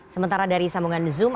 sementara dari sambungan zoom